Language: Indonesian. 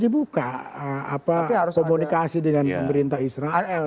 anda setuju bahwa indonesia harus berkomunikasi dengan pemerintah islam